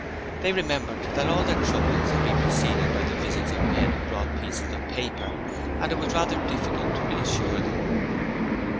They remembered that all their troubles had been preceded by the visits of men who brought pieces of paper, and it was rather difficult to reassure them.